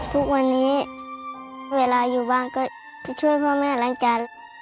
ทุกวันนี้เวลาอยู่บ้านก็จะช่วยพ่อแม่ล้างจาน